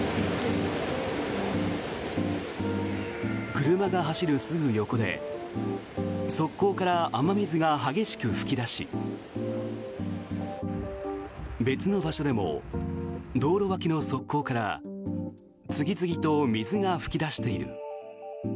車が走るすぐ横で側溝から雨水が激しく噴き出し別の場所でも道路脇の側溝から次々と水が噴き出している。